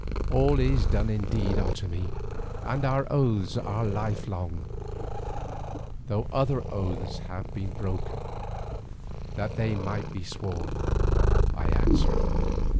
"All is done indeed, Otomie, and our oaths are lifelong, though other oaths have been broken that they might be sworn," I answered.